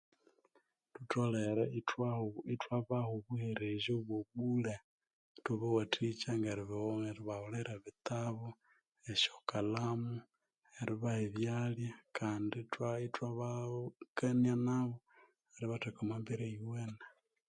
Thutholere ithwabaa ithwabaha obuhererya bwo buule ithabawathikya ngeribaghulira ebittabu nesyokalamu eribaha ebyalya ithwakania nabo eribatheka omu mbeera eyuwene